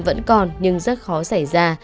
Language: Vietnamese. vẫn còn nhưng rất khó xảy ra